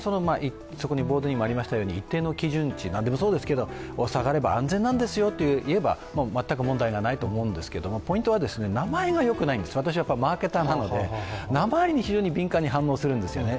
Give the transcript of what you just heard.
私は、一定の基準値何でもそうですけど、下がれば安全なんですよといえば、全く問題がないと思うんですけど、ポイントは、名前がよくないんです私はマーケッターなので名前に非常に敏感に反応するんですね。